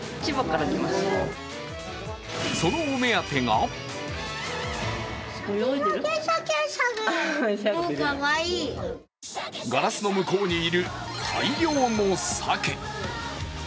そのお目当てがガラスの向こうにいる大量の鮭。